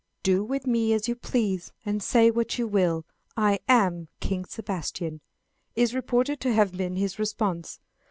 "Do with me as you please, and say what you will, I am King Sebastian," is reported to have been his response.